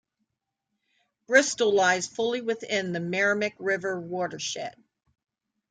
Bristol lies fully within the Merrimack River watershed.